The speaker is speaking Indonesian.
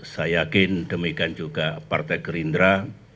saya yakin demikian juga partai gerindra